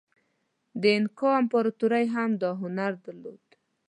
د اینکا امپراتورۍ هم دا هنر درلود.